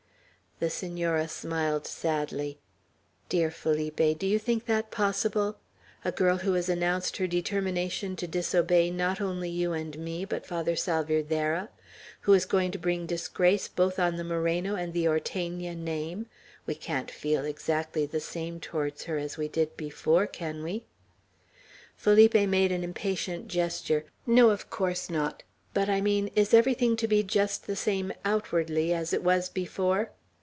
The Senora smiled sadly. "Dear Felipe, do you think that possible? A girl who has announced her determination to disobey not only you and me, but Father Salvierderra, who is going to bring disgrace both on the Moreno and the Ortegna name, we can't feel exactly the same towards her as we did before, can we?" Felipe made an impatient gesture. "No, of course not. But I mean, is everything to be just the same, outwardly, as it was before?"